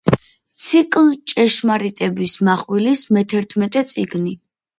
ციკლ „ჭეშმარიტების მახვილის“ მეთერთმეტე წიგნი.